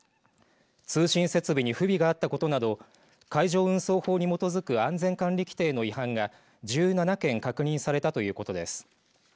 通信設備に不備があったことなど海上運送法に基づく安全管理規程の違反が１７件確認されたということです。